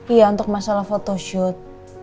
iya untuk masalah photoshoot